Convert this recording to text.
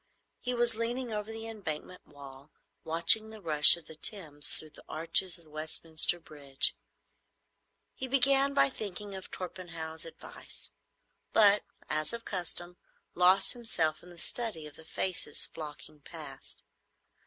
He was leaning over the Embankment wall, watching the rush of the Thames through the arches of Westminster Bridge. He began by thinking of Torpenhow's advice, but, as of custom, lost himself in the study of the faces flocking past.